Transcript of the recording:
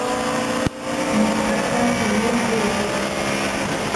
Neháka pií kuú.